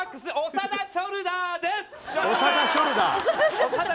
長田ショルダー。